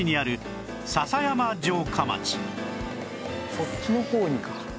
そっちの包囲か。